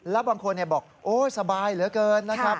แล้วบางคนบอกโอ๊ยสบายเหลือเกินนะครับ